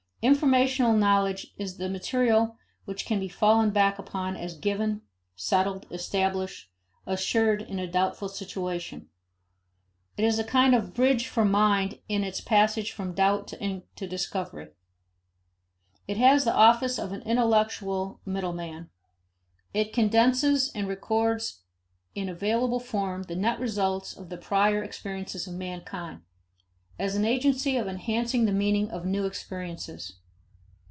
Informational knowledge is the material which can be fallen back upon as given, settled, established, assured in a doubtful situation. It is a kind of bridge for mind in its passage from doubt to discovery. It has the office of an intellectual middleman. It condenses and records in available form the net results of the prior experiences of mankind, as an agency of enhancing the meaning of new experiences.